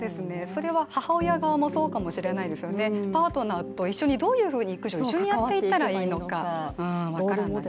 それは母親側もそうかもしれないですよね、パートナーと一緒にどういうふうに育児を一緒にやっていったらいいのか分からない。